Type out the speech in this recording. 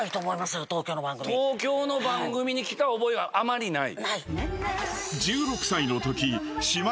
東京の番組に来た覚えはあまりない。